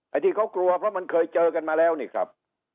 ที่เขากลัวเพราะมันเคยเจอกันมาแล้วนี่ครับ